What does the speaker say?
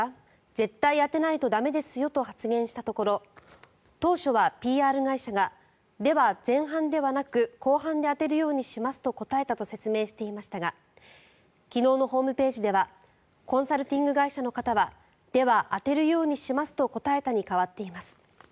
絶対当てないと駄目ですよと発言したところ当初はＰＲ会社がでは前半ではなく後半で当てるようにしますと答えたと説明していましたが昨日のホームページではコンサルティング会社の方はでは当てるようにしますと答えたに変わっています。